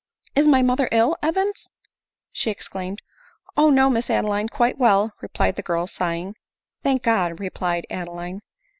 " Is my mother ill, Evans ?" she exclaimed. " O ! no, Miss Adeline, quite well," replied the girl, sighing. "Thank God!" replied Adeline.